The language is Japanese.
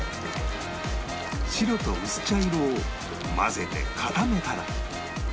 白と薄茶色を混ぜて固めたら